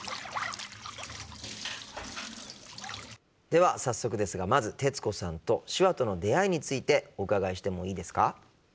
では早速ですがまず徹子さんと手話との出会いについてお伺いしてもいいですか？